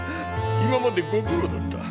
今までご苦労だった。